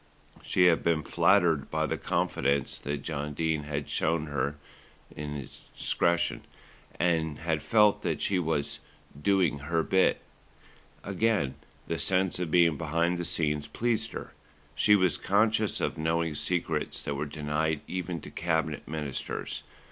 She had been flattered by the confidence that John Dene had shown hi her discretion, and had felt that she was "doing her bit." Again, the sense of being behind the scenes pleased her. She was conscious of knowing secrets that were denied even to Cabinet Ministers.